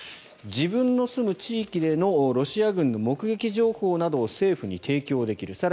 自分の住む地域でのロシア軍の目撃情報などを政府に提供できる。